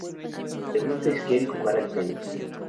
Le gusta esquiar y jugar al tenis.